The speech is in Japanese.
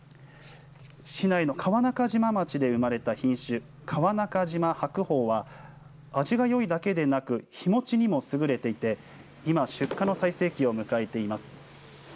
市内の川中島町で生まれた品種川中島白鳳は味がよいだけでなく日持ちにも優れていて今、出荷の最盛期を迎えています。